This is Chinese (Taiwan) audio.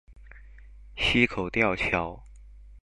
溪口吊橋